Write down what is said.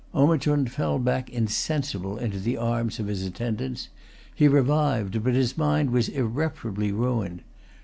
Omichund fell back insensible into the arms of his attendants. He revived; but his mind was irreparably ruined.